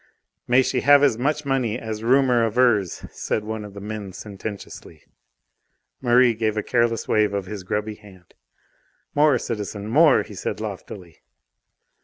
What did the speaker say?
"May she have as much money as rumour avers," said one of the men sententiously. Merri gave a careless wave of his grubby hand. "More, citizen; more!" he said loftily.